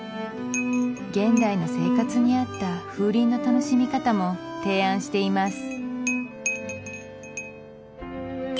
現代の生活にあった風鈴の楽しみ方も提案しています